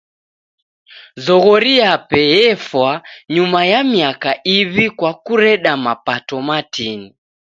Zoghori yape efwa nyuma ya miaka iw'i kwa kureda mapato matini.